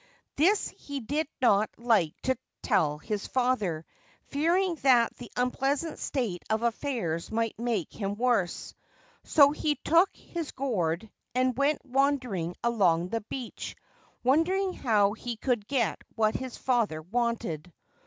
This he did not like to tell his father, fearing that the unpleasant state of affairs might make him worse. So he took his gourd, and went wandering along the beach, wondering how he could get what his father wanted.